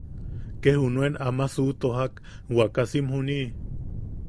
Ke junuen ama suʼutojak waakasim juni.